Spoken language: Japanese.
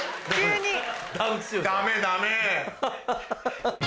ダメダメ！